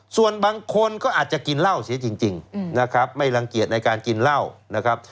ส่วนบางคนก็อาจจะกินเหล้าเสียจริงนะครับไม่รังเกียจในการกินเหล้านะครับ